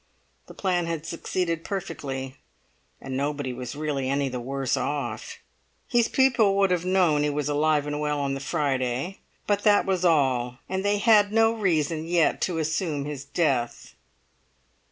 The plan had succeeded perfectly, and nobody was really any the worse off. His people would have known he was alive and well on the Friday; but that was all, and they had no reason yet to assume his death.